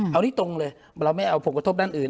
เอาที่ตรงเลยเราไม่เอาผลกระทบด้านอื่น